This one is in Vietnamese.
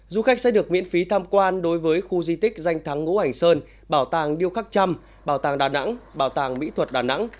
du khách sẽ được miễn phí tham quan đối với khu di tích danh thắng ngũ hành sơn bảo tàng điêu khắc trăm bảo tàng đà nẵng bảo tàng mỹ thuật đà nẵng